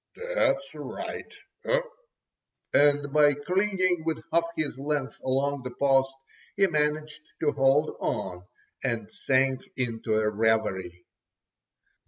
"That's right! eh?" and by clinging with half his length along the post he managed to hold on, and sank into a reverie.